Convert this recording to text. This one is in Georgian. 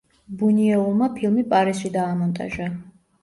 ბუნიუელმა ფილმი პარიზში დაამონტაჟა.